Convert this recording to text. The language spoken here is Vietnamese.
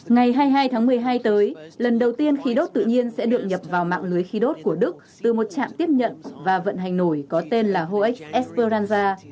ngày hai mươi hai tháng một mươi hai tới lần đầu tiên khí đốt tự nhiên sẽ được nhập vào mạng lưới khí đốt của đức từ một trạm tiếp nhận và vận hành nổi có tên là hoec esper ranza